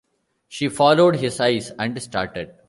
She followed his eyes, and started.